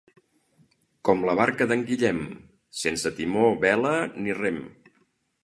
Com la barca d'en Guillem, sense timó, vela ni rem.